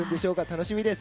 楽しみです。